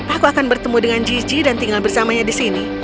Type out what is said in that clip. aku akan bertemu dengan gigi dan tinggal bersamanya di sini